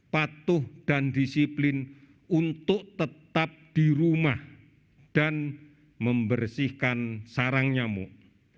patuh dan disiplin untuk tetap di rumah dan membersihkan sarang nyamuk